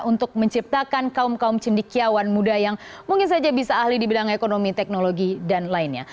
untuk menciptakan kaum kaum cendikiawan muda yang mungkin saja bisa ahli di bidang ekonomi teknologi dan lainnya